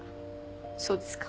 そうですか。